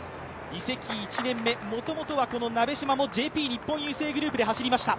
移籍１年目、もともとはこの鍋島もＪＰ日本郵政グループで走りました。